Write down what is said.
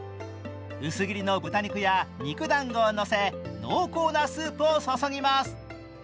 薄切りの豚肉や肉団子をのせ濃厚なスープを注ぎます。